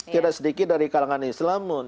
tidak sedikit dari kalangan islam pun